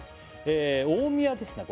大宮ですね